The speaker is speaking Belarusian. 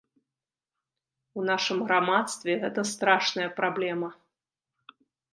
У нашым грамадстве гэта страшная праблема.